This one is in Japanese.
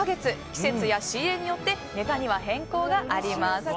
季節や仕入れによってネタには変更があります。